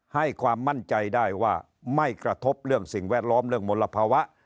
ให้ความมั่นใจได้ว่าไม่กระทบเรื่องสิ่งแวดล้อมเรื่องมลภาวะ